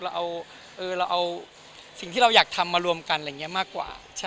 เราเอาสิ่งที่เราอยากทำมารวมกันอะไรอย่างนี้มากกว่า